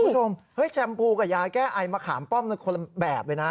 คุณผู้ชมแชมพูกับยาแก้ไอมะขามป้อมเป็นคนละแบบเลยนะ